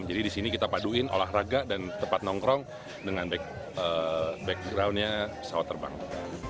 jadi disini kita paduin olahraga dan tempat nongkrong dengan backgroundnya pesawat terbang